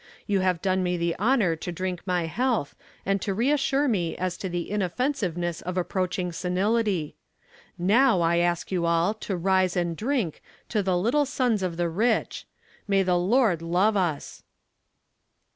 You have done me the honor to drink my health and to reassure me as to the inoffensiveness of approaching senility. Now I ask you all to rise and drink to 'The Little Sons of the Rich.' May the Lord love us!"